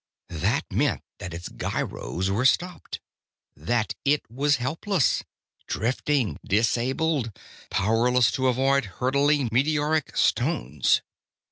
That meant that its gyros were stopped; that it was helpless, drifting, disabled, powerless to avoid hurtling meteoric stones.